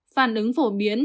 phản ứng phổ biến